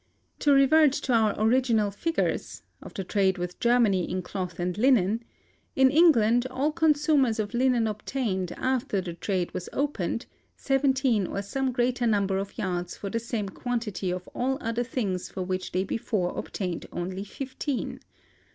To revert to our original figures [of the trade with Germany in cloth and linen]: in England, all consumers of linen obtained, after the trade was opened, seventeen or some greater number of yards for the same quantity of all other things for which they before obtained only fifteen.